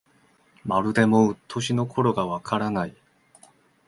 まるでもう、年の頃がわからない